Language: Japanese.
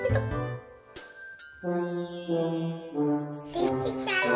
できた！